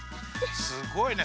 すごいね。